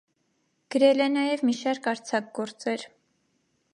Գրել է նաև մի շարք արձակ գործեր։